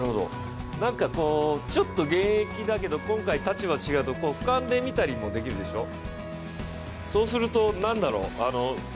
ちょっと現役だけど今回は立場が違う、ふかんで見たりもできるでしょう？